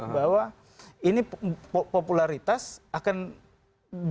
bahwa ini popularitas akan berubah